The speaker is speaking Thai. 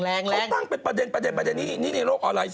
เค้าตั้งเป็นประเด็นนี่โลกอะไร